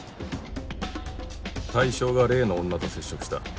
対象が例の女と接触した。